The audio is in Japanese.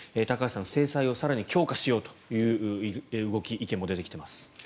高橋さん、制裁を更に強化しようという動き意見も出てきています。